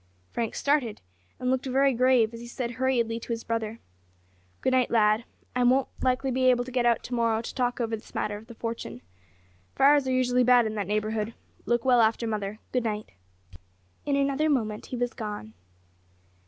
Frank started, and looked very grave as he said hurriedly to his brother "Good night, lad. I won't likely be able to get out to morrow to talk over this matter of the fortune. Fires are usually bad in that neighbourhood. Look well after mother. Good night." In another moment he was gone.